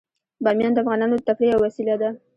بامیان د افغانانو د تفریح یوه وسیله ده.